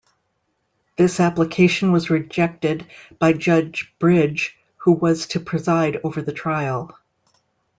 This application was rejected by Judge Bridge, who was to preside over the trial.